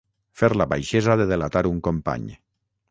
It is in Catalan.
Fer la baixesa de delatar un company.